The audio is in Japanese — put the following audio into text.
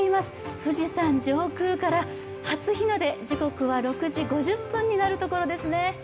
富士山上空から初日の出時刻は６時５０分になるところです。